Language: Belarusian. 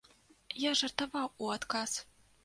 Я жартаваў у адказ.